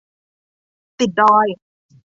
ติดดอย